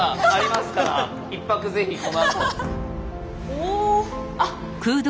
おおあっ。